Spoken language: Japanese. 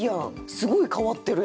すごい変わってるやん！